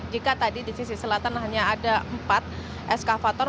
jika tadi di sisi selatan hanya ada empat eskavator